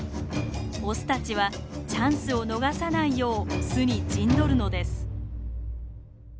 オスたちはチャンスを逃さないよう巣に陣取るのです。